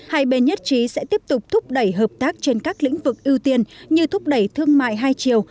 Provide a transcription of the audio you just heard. hai bên nhất trí sẽ tiếp tục thúc đẩy hợp tác trên các lĩnh vực ưu tiên như thúc đẩy thương mại hai chiều